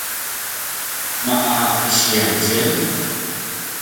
ma’a kisiya itjen